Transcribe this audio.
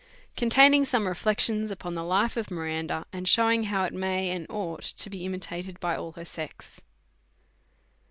Containing some Reflections 07i the Life of Miranda, and shewing how it may and ought to be imitated by all her Sex.